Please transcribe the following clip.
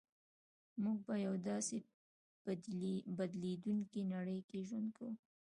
موږ په یوه داسې بدلېدونکې نړۍ کې ژوند کوو